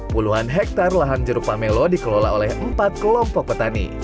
puluhan hektare lahan jeruk pamelo dikelola oleh empat kelompok petani